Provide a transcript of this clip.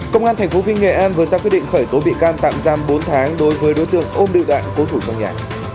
công an tp vn vừa ra quyết định khởi tố bị can tạm giam bốn tháng đối với đối tượng ôm nữ đạn cố thủ trong nhà